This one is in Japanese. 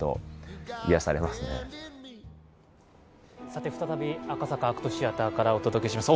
さて、再び赤坂ＡＣＴシアターからお届けします。